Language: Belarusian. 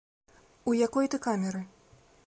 У якой ты камеры?